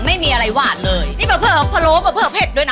ไม่มีอะไรหวานเลยนี่เปิดเปิดผลโลเปิดเปิดเผ็ดด้วยนะ